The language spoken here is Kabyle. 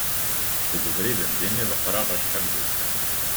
deg ubrid n ddin i ḍegreɣ acḥal d ussan